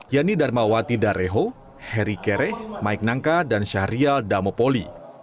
yanni darmawati dareho heri kere maik nangka dan syahrial damopoli